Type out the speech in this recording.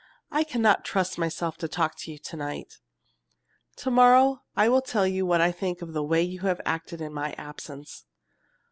I cannot trust myself to talk to you to night. Tomorrow I will tell you what I think of the way you have acted in my absence."